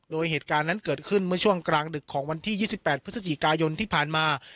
โดยเหตุการณ์นั้นเกิดขึ้นเมื่อช่วงกลางดึกของวันที่๒๘พฤศจิกายนที่ผ่านมา